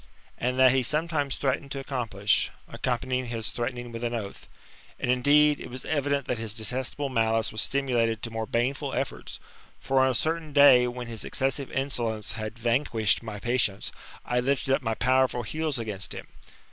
And that he some times threatened to accomplish, accompanying his threatening with an oath. And indeed it was evident that his detestable malace was stimulated to more baneful efforts ; for on a certain day, when his excessive insolence bad vanquished my patience. It6 THE IfftTAMORPHOSIS, OR I lifted up my powerful heels against him.